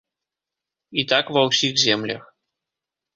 І так ва ўсіх землях.